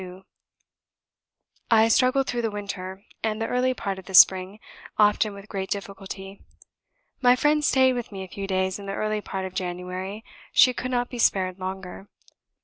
. I struggled through the winter, and the early part of the spring, often with great difficulty. My friend stayed with me a few days in the early part of January; she could not be spared longer.